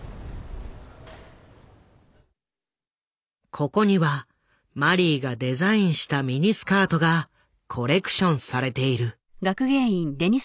ここにはマリーがデザインしたミニスカートがコレクションされている。